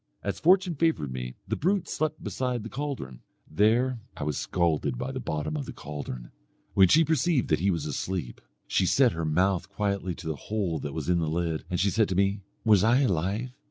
As fortune favoured me, the brute slept beside the caldron. There I was scalded by the bottom of the caldron. When she perceived that he was asleep, she set her mouth quietly to the hole that was in the lid, and she said to me 'was I alive?'